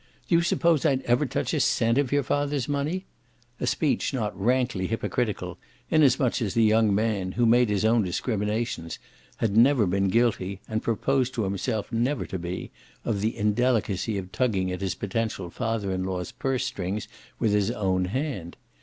"Do you suppose I'd ever touch a cent of your father's money?" a speech not rankly hypocritical, inasmuch as the young man, who made his own discriminations, had never been guilty, and proposed to himself never to be, of the indelicacy of tugging at his potential father in law's purse strings with his own hand.